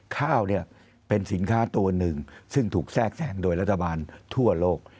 ข้าวเนี่ยเป็นสินค้าตัวหนึ่งซึ่งถูกแทรกแสงโดยรัฐบาลทั่วโลก